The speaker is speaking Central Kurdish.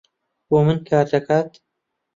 بۆ من کار دەکات.